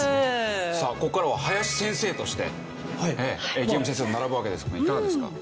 さあここからは林先生として池上先生と並ぶわけですけどいかがですか？